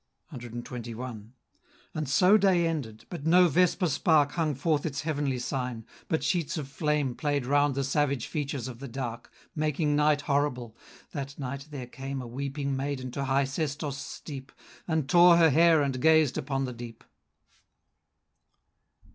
CXXI. And so day ended. But no vesper spark Hung forth its heavenly sign; but sheets of flame Play'd round the savage features of the dark, Making night horrible. That night, there came A weeping maiden to high Sestos' steep, And tore her hair and gazed upon the deep.